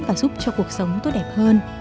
và giúp cho cuộc sống tốt đẹp hơn